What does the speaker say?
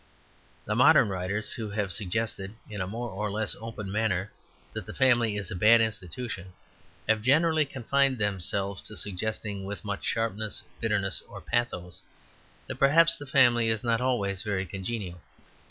The modern writers who have suggested, in a more or less open manner, that the family is a bad institution, have generally confined themselves to suggesting, with much sharpness, bitterness, or pathos, that perhaps the family is not always very congenial.